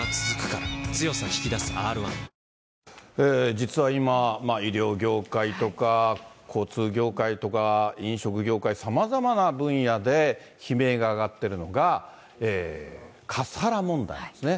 実は今、医療業界とか、交通業界とか、飲食業界、さまざまな分野で悲鳴が上がっているのが、カスハラ問題ですね。